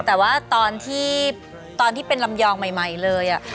แต่ว่าตอนที่เป็นลำยองใหม่เลย